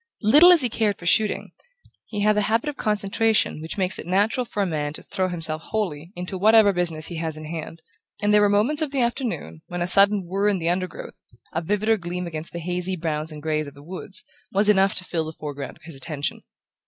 Little as he cared for shooting, he had the habit of concentration which makes it natural for a man to throw himself wholly into whatever business he has in hand, and there were moments of the afternoon when a sudden whirr in the undergrowth, a vivider gleam against the hazy browns and greys of the woods, was enough to fill the foreground of his attention.